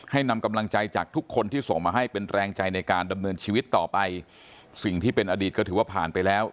นำกำลังใจจากทุกคนที่ส่งมาให้เป็นแรงใจในการดำเนินชีวิตต่อไปสิ่งที่เป็นอดีตก็ถือว่าผ่านไปแล้ว